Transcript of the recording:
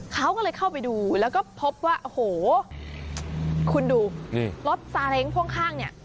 เขาก็เลยเข้าไปดูแล้วก็พบว่าโอ้โหคุณดูนี่รถซาเล้งพ่วงข้างเนี่ย